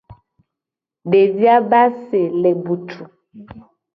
Devi a be ase le butuu.